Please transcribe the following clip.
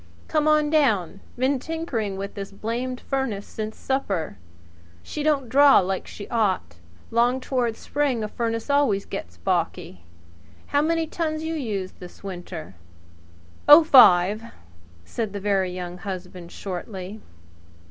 "Come on down! Been tinkering with this blamed furnace since supper. She don't draw like she ought. 'Long toward spring a furnace always gets balky. How many tons you used this winter?" "Oh ten," said the Very Young Husband shortly.